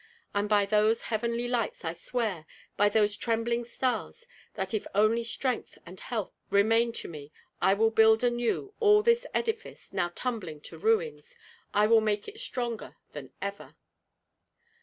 And by those heavenly lights I swear, by those trembling stars, that if only strength and health remain to me, I will build anew all this edifice, now tumbling to ruins; I will make it stronger than ever."